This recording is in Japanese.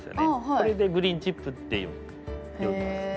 これでグリーンチップって呼びますね。